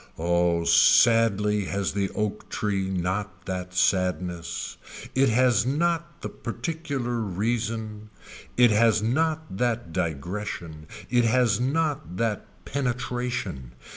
Oh sadly has the oak tree not that sadness. It has not the particular reason. It has not that digression. It has not that penetration.